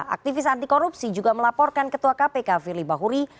aktivis anti korupsi juga melaporkan ketua kpk firly bahuri